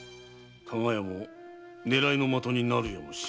加賀屋も狙いの的になるやもしれぬか。